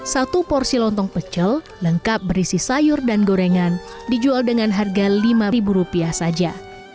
satu porsi lontong pecel lengkap berisi sayur dan gorengan dijual dengan harga lima rupiah saja